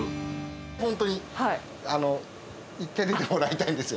本当に一回出てもらいたいんですよ。